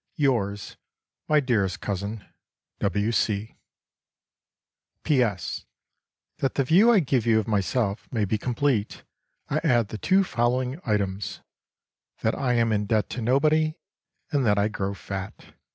"Yours, my dearest cousin, "W. C. "P.S. That the view I give you of myself may be complete, I add the two following items, that I am in debt to nobody, and that I grow fat."